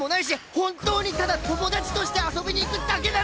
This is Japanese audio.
本当にただ友達として遊びに行くだけなの！